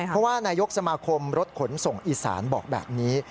เพราะว่านายกสมาคมรถขนส่งอีสานบอกแบบนี้